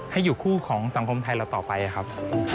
ให้อยู่คู่ของสังคมไทยเราต่อไปครับ